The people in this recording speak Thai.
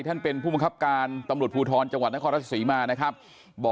ท่านเป็นผู้บังคับการตำรวจภูทรจังหวัดนครราชศรีมานะครับ